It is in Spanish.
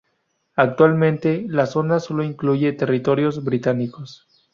Actualmente la zona solo incluye territorios británicos.